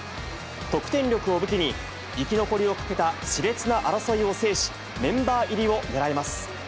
得点力を武器に、生き残りをかけたしれつな争いを制し、メンバー入りを狙います。